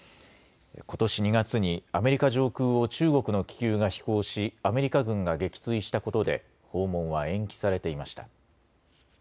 ことし２月にアメリカ上空を中国の気球が飛行しアメリカ軍が撃墜したことで訪問は延期されていました。